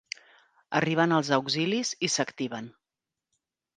Arriben els auxilis i s'activen.